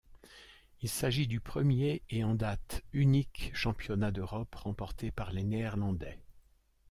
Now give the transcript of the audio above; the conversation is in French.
Il s'agit du premier et en date unique Championnat d'Europe remporté par les Néerlandais.